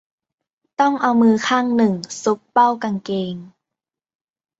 ต้องเอามือข้างหนึ่งซุกเป้ากางเกง